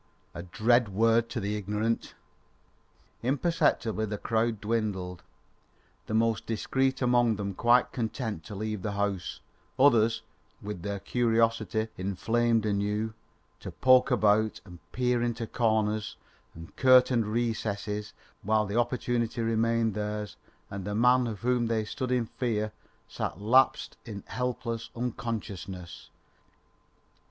A dread word to the ignorant. Imperceptibly the crowd dwindled; the most discreet among them quite content to leave the house; others, with their curiosity inflamed anew, to poke about and peer into corners and curtained recesses while the opportunity remained theirs and the man of whom they stood in fear sat lapsed in helpless unconsciousness.